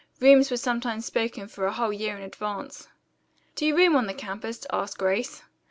Rooms were sometimes spoken for a whole year in advance. "Do you room on the campus?" asked Grace.